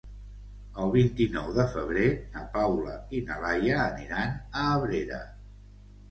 El vint-i-nou de febrer na Paula i na Laia aniran a Abrera.